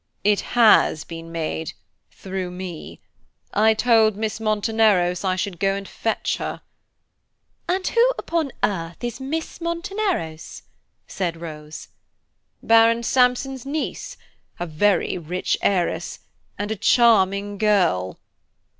"It has been made through me. I told Miss Monteneros I should go and fetch her." "And who, upon earth, is Miss Monteneros?" said Rose. "Baron Sampson's niece, a very rich heiress and a charming girl."